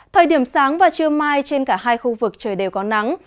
thời điểm sáng và trưa mai trên cả hai khu vực trời đều có nắng